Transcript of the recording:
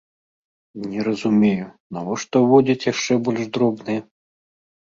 Не разумею, навошта ўводзіць яшчэ больш дробныя?